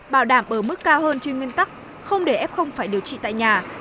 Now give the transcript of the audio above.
bảo đảm ở mức cao hơn trên nguyên tắc không để ép không phải điều trị tại nhà